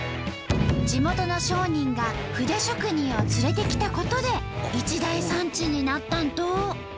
地元の商人が筆職人を連れてきたことで一大産地になったんと！